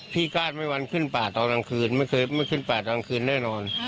คาดไม่วันขึ้นป่าตอนกลางคืนไม่เคยไม่ขึ้นป่ากลางคืนแน่นอน